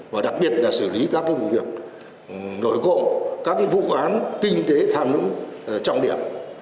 và đặc biệt là xử lý các vụ việc nổi cộng các vụ khóa kinh tế tham nhũng trong địa